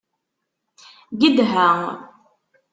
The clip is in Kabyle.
Gedha!